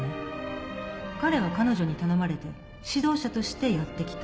彼は彼女に頼まれて指導者としてやってきた。